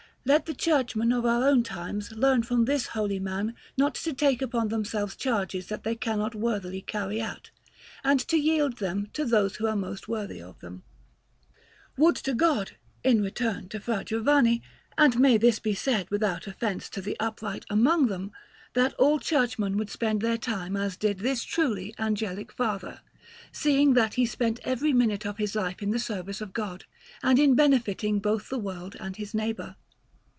Let the churchmen of our own times learn from this holy man not to take upon themselves charges that they cannot worthily carry out, and to yield them to those who are most worthy of them. Would to God, to return to Fra Giovanni (and may this be said without offence to the upright among them), that all churchmen would spend their time as did this truly angelic father, seeing that he spent every minute of his life in the service of God and in benefiting both the world and his neighbour.